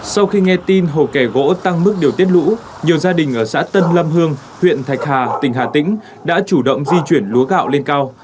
sau khi nghe tin hồ kẻ gỗ tăng mức điều tiết lũ nhiều gia đình ở xã tân lâm hương huyện thạch hà tỉnh hà tĩnh đã chủ động di chuyển lúa gạo lên cao